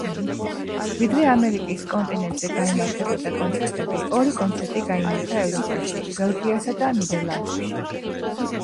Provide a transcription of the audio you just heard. ვიდრე ამერიკის კონტინენტზე გაიმართებოდა კონცერტები ორი კონცერტი გაიმართა ევროპაში ბელგიასა და ნიდერლანდებში.